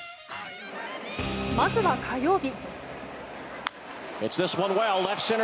まずは火曜日。